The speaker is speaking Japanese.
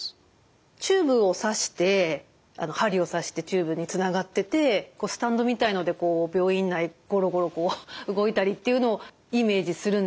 チューブをさして針を刺してチューブにつながっててスタンドみたいのでこう病院内ゴロゴロ動いたりっていうのをイメージするんですよね。